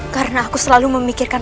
karena aku selalu memikirkan